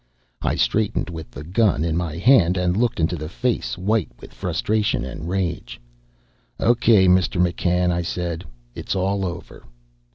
I straightened with the gun in my hand and looked into a face white with frustration and rage. "Okay, Mister McCann," I said. "It's all over."